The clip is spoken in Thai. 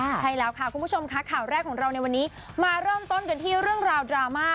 ใช่แล้วค่ะคุณผู้ชมค่ะข่าวแรกของเราในวันนี้มาเริ่มต้นกันที่เรื่องราวดราม่า